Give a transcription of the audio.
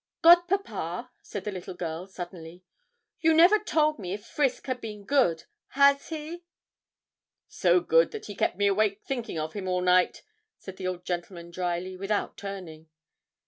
'Godpapa,' said the little girl, suddenly, 'you never told me if Frisk had been good. Has he?' 'So good that he kept me awake thinking of him all night,' said the old gentleman drily, without turning.